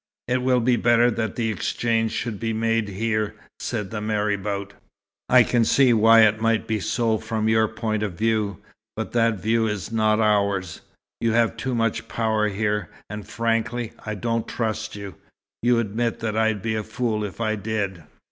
"It will be better that the exchange should be made here," said the marabout. "I can see why it might be so from your point of view, but that view is not ours. You have too much power here, and frankly, I don't trust you. You'll admit that I'd be a fool if I did!